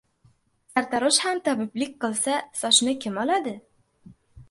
• Sartarosh ham tabiblik qilsa, sochni kim oladi?